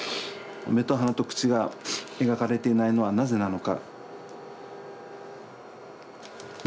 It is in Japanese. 目と鼻と口が描かれていないのはなぜなのか。